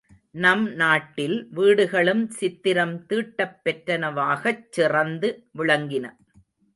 நம் நாட்டில் வீடுகளும் சித்திரம் தீட்டப்பெற்றனவாகச் சிறந்து விளங்கின.